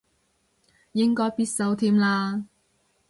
應該必修添啦